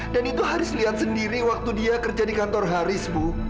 itu harus lihat sendiri waktu dia kerja di kantor haris bu